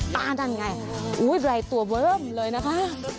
ตาด้านไงอุ้ยไหล่ตัวเวิร์มเลยนะคะ